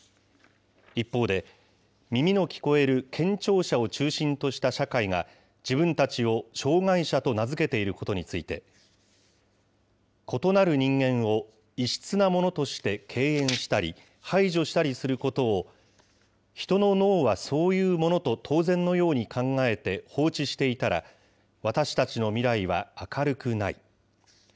一方で、耳の聞こえる健聴者を中心とした社会が、自分たちを障害者と名付けていることについて、異なる人間を、異質なものとして敬遠したり排除したりすることを、ヒトの脳はそういうものと当然のように考えて放置していたら私たちの未来は明るくない。